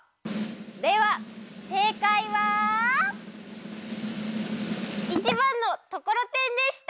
ではせいかいは１ばんのところてんでした。